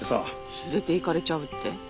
連れていかれちゃうって？